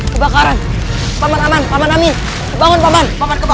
kebakaran paman paman paman